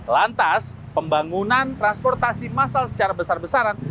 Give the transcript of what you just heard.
lantas pembangunan transportasi massal secara besar besaran